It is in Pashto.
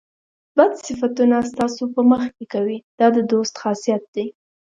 بد صفتونه ستاسو په مخ کې کوي دا د دوست خاصیت دی.